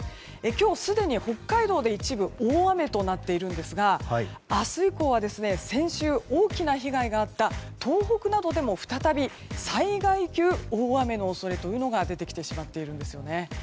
今日、すでに北海道で一部大雨となっているんですが明日以降は先週大きな被害があった東北などでも再び災害級大雨の恐れというのが出てきてしまっているんです。